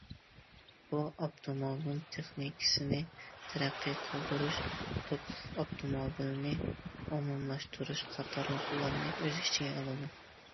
بۇ ئاپتوموبىل تېخنىكىسىنى تەرەققىي قىلدۇرۇش، توكلۇق ئاپتوموبىلنى ئومۇملاشتۇرۇش قاتارلىقلارنى ئۆز ئىچىگە ئالىدۇ.